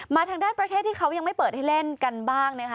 มาทางด้านประเทศที่เขายังไม่เปิดให้เล่นบ้าง